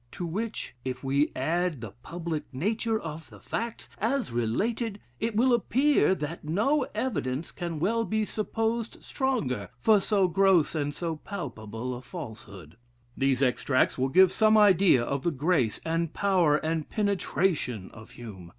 To which, if we add the public nature of the facts, as related, it will appear that no evidence can well be supposed stronger for so gross and so palpable a falsehood." These extracts will give some idea of the grace, and power, and penetration of Hume.